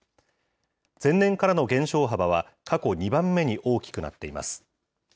前年からの減少幅は過去２番目に大きくなっています。